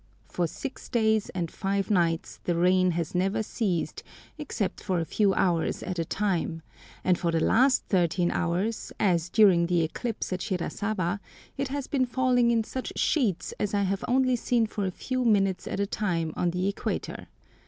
For six days and five nights the rain has never ceased, except for a few hours at a time, and for the last thirteen hours, as during the eclipse at Shirasawa, it has been falling in such sheets as I have only seen for a few minutes at a time on the equator.